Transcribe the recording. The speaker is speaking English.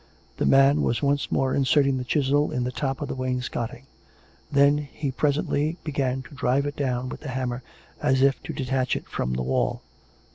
The man was once more inserting the chisel in the top of the wainscoting; then he presently began to drive it down with the hammer as if to detach it from the wall.